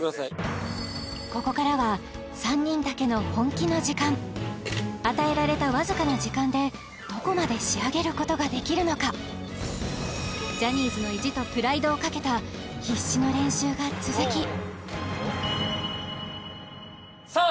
ここからは３人だけの本気の時間与えられたわずかな時間でどこまで仕上げることができるのかをかけた必死の練習が続きさあ